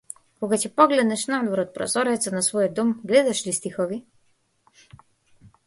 Кога ќе погледнеш надвор од прозорецот на својот дом, гледаш ли стихови?